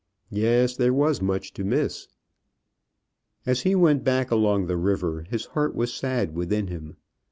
Yes; there was much to miss. As he went back along the river his heart was sad within him.